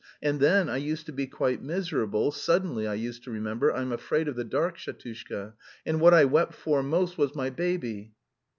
And then I used to be quite miserable, suddenly I used to remember, I'm afraid of the dark, Shatushka. And what I wept for most was my baby...."